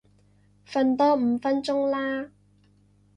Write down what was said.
瞓多五分鐘啦